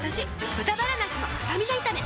「豚バラなすのスタミナ炒め」